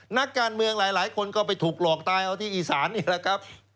นักการเมืองหลายคนก็ไปถูกหลอกตายเอาที่อีสานนี่แหละครับ